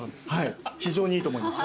非常にいいと思います。